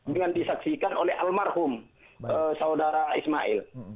dengan disaksikan oleh almarhum saudara ismail